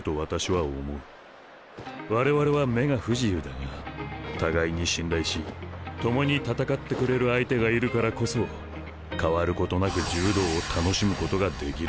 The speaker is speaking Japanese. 我々は目が不自由だが互いに信頼し共に戦ってくれる相手がいるからこそ変わることなく柔道を楽しむことができる。